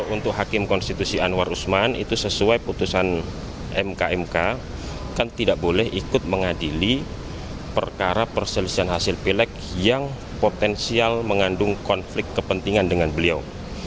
untuk hakim konstitusi anwar usman itu sesuai putusan mk mk kan tidak boleh ikut mengadili perkara perselisihan hasil pilek yang potensial mengandung konflik kepentingan dengan beliau